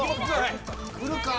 くるか？